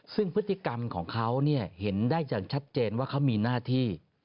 ซึ่งพฤติกรรมของเขาเห็นได้อย่างชัดเจนว่าเขามีหน้าที่